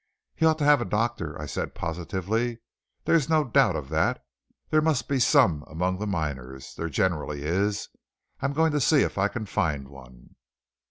"He ought to have a doctor," said I positively. "There's no doubt of that. There must be some among the miners there generally is. I'm going to see if I can find one."